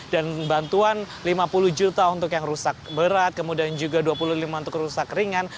dan bantuan lima puluh juta untuk yang rusak berat kemudian juga dua puluh lima untuk rusak ringan